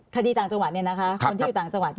คดีต่างจังหวัดเนี่ยนะคะคนที่อยู่ต่างจังหวัดนะ